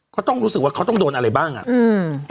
ก็ต้องรู้สึกว่าเขาต้องโดนอะไรบ้างอ่ะอืม